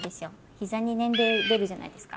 膝に年齢出るじゃないですか。